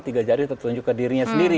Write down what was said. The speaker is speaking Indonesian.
tiga jari tertunjuk ke dirinya sendiri